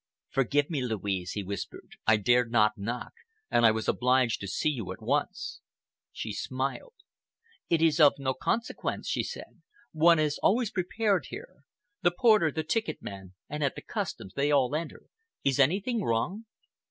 "Forgive me, Louise," he whispered, "I dared not knock, and I was obliged to see you at once." She smiled. "It is of no consequence," she said. "One is always prepared here. The porter, the ticket man, and at the customs—they all enter. Is anything wrong?"